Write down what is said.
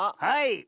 はい。